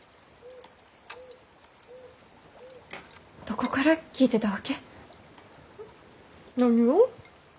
どこから聞いてたわけ？何を？